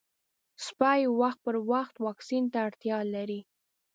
سپي وخت پر وخت واکسین ته اړتیا لري.